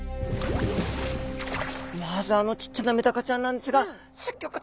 まずあのちっちゃなメダカちゃんなんですがすギョく